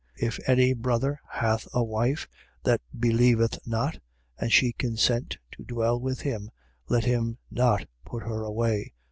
If any brother hath a wife that believeth not and she consent to dwell with him: let him not put her away.